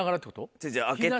違う違う開けて。